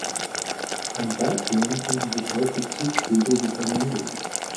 An Salzseen finden sich häufig Zugvögel wie Flamingos.